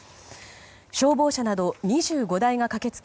消防車など２５台が駆け付け